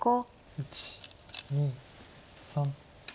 １２３。